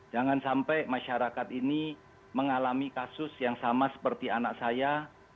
jangan sampai masyarakat ini mengalami kasus yang sama seperti anak saya